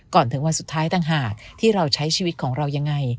ถึงวันสุดท้ายต่างหากที่เราใช้ชีวิตของเรายังไง